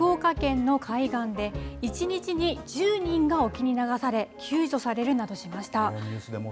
今月、福岡県の海岸で１日に１０人が沖に流され救助されるなどしました。